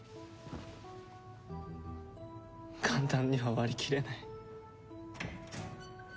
簡単には割り切れない。